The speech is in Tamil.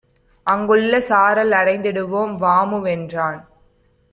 அங்குள்ள சாரல் அடைந்திடுவோம் வாமுவென்றான்.